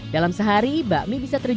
dalam sehari bakmi bisa terjual